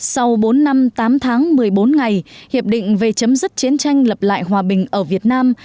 sau bốn năm tám tháng một mươi bốn ngày hiệp định về chấm dứt chiến tranh lập lại hòa bình ở việt nam